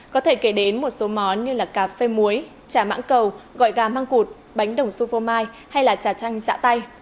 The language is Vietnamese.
có thể kể đến một số món như là cà phê muối trà mãng cầu gọi gà măng cụt bánh đồng su phô mai hay là trà chanh giã tay